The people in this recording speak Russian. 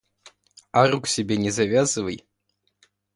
А рук себе не завязывай.